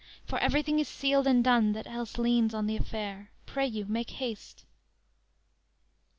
for everything is sealed and done That else leans on the affair; pray you, make haste!"